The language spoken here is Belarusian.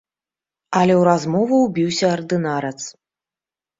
Але ў размову ўбіўся ардынарац.